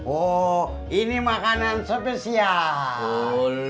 oh ini makanan spesial